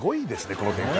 この展開ね。